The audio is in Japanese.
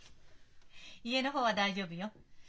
家の方は大丈夫よ。